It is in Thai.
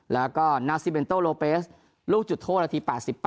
แล้วก็นาซิเบนโตโลเปสลูกจุดโทษนาที๘๘